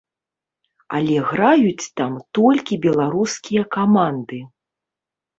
Але граюць там толькі беларускія каманды.